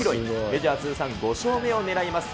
メジャー通算５勝目をねらいます。